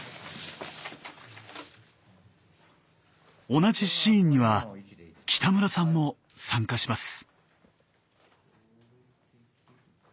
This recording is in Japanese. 同じシーンには北村さんも参加します。